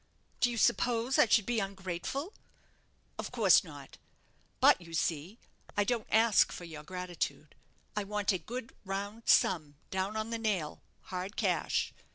"Do you suppose I should be ungrateful?" "Of course not. But, you see, I don't ask for your gratitude I want a good round sum down on the nail hard cash.